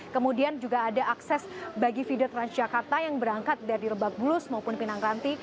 kemudian juga ada akses bagi feeder transjakarta yang berangkat dari lebak bulus maupun pinang ranti